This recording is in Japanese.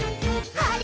はい！